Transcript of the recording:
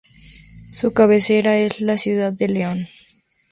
Su cabecera es la ciudad de León.